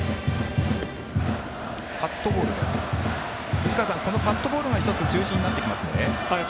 藤川さん、このカットボールが１つ、中心になってきますね。